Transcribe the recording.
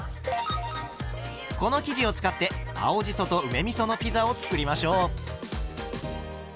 この生地を使って青じそと梅みそのピザを作りましょう。